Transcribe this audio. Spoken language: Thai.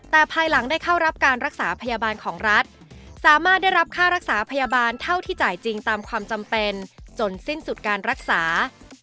แต่ภายหลังได้เข้ารับการรักษาพยาบาลของรัฐสามารถได้รับค่ารักษาพยาบาลเท่าที่จ่ายจริงตามความจำเป็นจนสิ้นสุดการรักษา